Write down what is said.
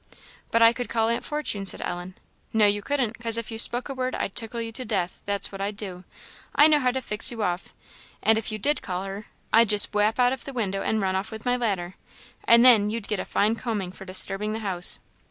"But I could call Aunt Fortune," said Ellen. "No, you couldn't, 'cause if you spoke a word I'd tickle you to death; that's what I'd do. I know how to fix you off. And if you did call her, I'd just whap out of the window and run off with my ladder, and then you'd get a fine combing for disturbing the house.